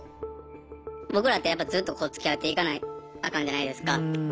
僕らってやっぱずっとこうつきあっていかなアカンじゃないですか。